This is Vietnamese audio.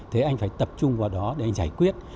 thế anh phải tập trung vào đó để anh giải quyết